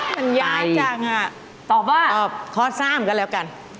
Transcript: มันยากจังตอบคอสามกันแล้วกัน